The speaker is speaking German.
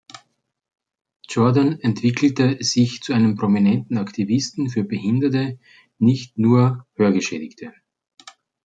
Jordan entwickelte sich zu einem prominenten Aktivisten für Behinderte, nicht nur Hörgeschädigte.